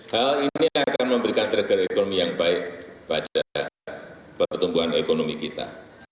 hal ini akan memberikan trigger ekonomi yang baik pada pertumbuhan ekonomi kita